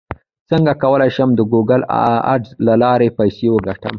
څنګه کولی شم د ګوګل اډز له لارې پیسې وګټم